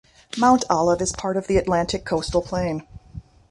Mount Olive is part of the Atlantic coastal plain.